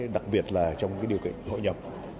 đặc biệt là trong cái điều kiện hội nhập